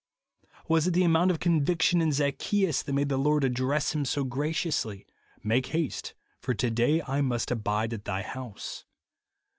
Was it the amount of conviction in Zac cheus that made the Lord address him so graciously, " Make haste, for to day I must abide at thy house?"